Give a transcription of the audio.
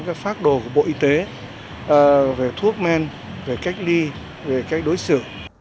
đây là phát đồ của bộ y tế về thuốc men về cách ly về cách đối xử